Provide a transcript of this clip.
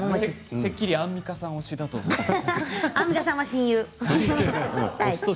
てっきりアンミカさん推しだと思ってました。